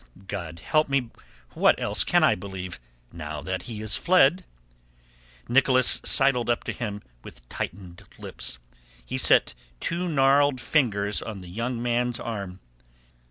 "God help me, what else can I believe now that he is fled." Nicholas sidled up to him with tightened lips. He set two gnarled fingers on the young man's arm.